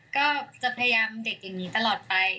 ก็จะพยายามเด็กอย่างนี้ตลอดไป